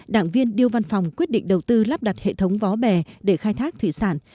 đảng viên điêu văn phòng quyết định đầu tư lắp đặt hệ thống vó bè để khai thác thủy sản